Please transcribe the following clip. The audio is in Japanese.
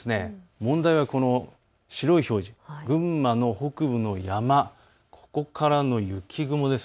問題はこの白い表示群馬の北部の山、ここからの雪雲です。